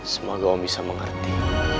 semoga om bisa mengerti